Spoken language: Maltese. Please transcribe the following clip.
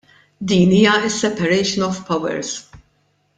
Din hija s-separation of powers.